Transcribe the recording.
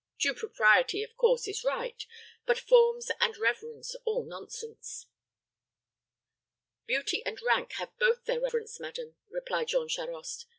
Due propriety, of course, is right; but forms and reverence all nonsense." "Beauty and rank have both their reverence, madam," replied Jean Charost.